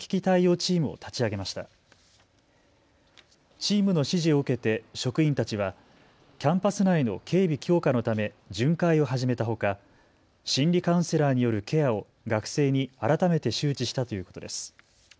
チームの指示を受けて職員たちはキャンパス内の警備強化のため巡回を始めたほか心理カウンセラーによるケアを学生に改めて周知したということです。